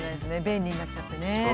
便利になっちゃってね。